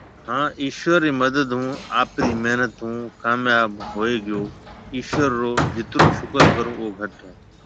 هان ايشور رِي مدد هون هان آپري محنت ھونهُون ڪامياب هوئي گيو ايشور رو جترو شڪر ڪرون او گھٽ هي